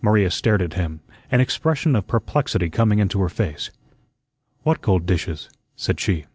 Maria stared at him, an expression of perplexity coming into her face. "What gold dishes?" said she.